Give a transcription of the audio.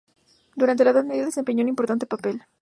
Durante la Edad Media desempeñó un importante papel.